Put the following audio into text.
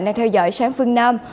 đang theo dõi sáng phương nam